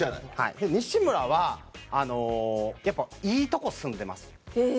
西村はいいとこ住んでます。